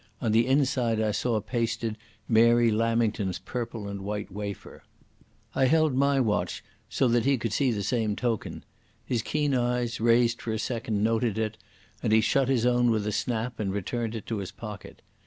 On the inside I saw pasted Mary Lamington's purple and white wafer. I held my watch so that he could see the same token. His keen eyes, raised for a second, noted it, and he shut his own with a snap and returned it to his pocket.